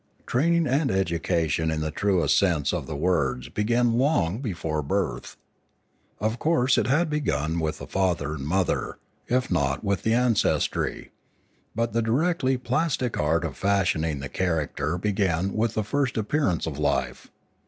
Training and education in the truest sense of the words began long before birth. Of course it had begun with the father and mother, if not with the ancestry; but the directly plastic art of fashioning the character began with the first appearance of life.